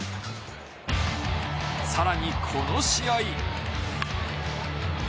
さらに、この試合。